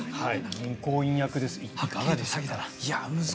銀行員役ですね。